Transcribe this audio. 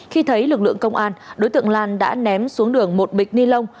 khi thấy lực lượng công an đối tượng lan đã ném xuống đường một bịch ni lông